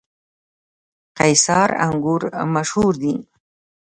قیصار انګور مشهور دي؟